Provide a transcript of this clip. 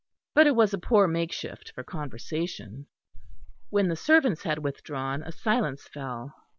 But it was a poor makeshift for conversation. When the servants had withdrawn, a silence fell.